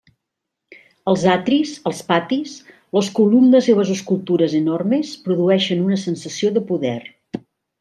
Els atris, els patis, les columnes i les escultures enormes produeixen una sensació de poder.